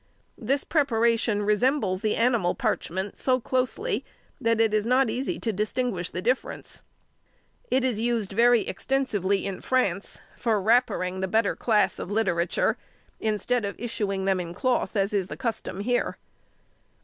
This preparation resembles the animal parchment so closely that it is not easy to distinguish the difference. It is used very extensively in France for wrappering the better class of literature, instead of issuing them in cloth as is the custom here.